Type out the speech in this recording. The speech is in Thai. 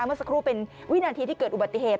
เมื่อสักครู่เป็นวินาทีที่เกิดอุบัติเหตุ